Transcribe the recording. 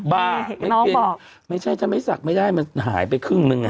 บ้าไม่ใช่จะไม่ศักดิ์ไม่ได้มันหายไปครึ่งหนึ่งไง